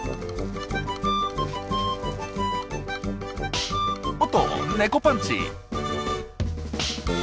おっと猫パンチ！